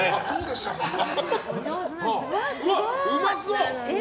うまそう！